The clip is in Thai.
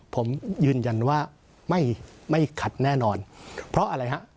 ผมยืนยันว่าไม่ไม่ขัดแน่นอนเพราะอะไรฮะ